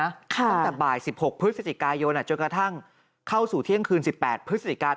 ตั้งแต่บ่าย๑๖พฤศจิกายนจนกระทั่งเข้าสู่เที่ยงคืน๑๘พฤศจิกา